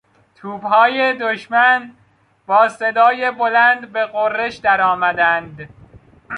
توپهای دشمن با صدای بلند به غرش درآمدند.